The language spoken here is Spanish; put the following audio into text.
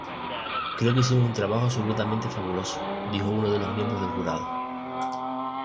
Creo que hicimos un trabajo absolutamente fabuloso," dijo uno de los miembros del jurado.